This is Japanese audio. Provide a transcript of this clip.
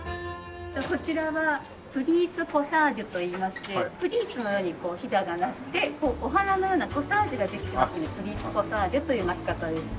こちらはプリーツコサージュといいましてプリーツのようにヒダがなってお花のようなコサージュができてますのでプリーツコサージュという巻き方です。